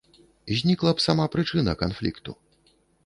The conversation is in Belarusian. Знікла б сама прычына канфлікту.